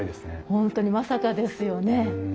本当にまさかですよね。